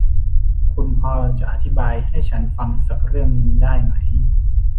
คุณพอจะอธิบายให้ฉันฟังสักเรื่องนึงได้ไหม ?